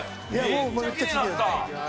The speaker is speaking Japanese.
めっちゃきれいになった。